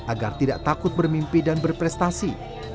agar tidak takut bermimpi dan berprestasi